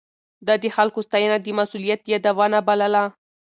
ده د خلکو ستاينه د مسؤليت يادونه بلله.